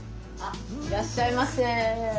いらっしゃいませ。